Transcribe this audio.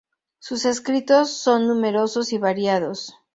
Sus escritos son numerosos y variados.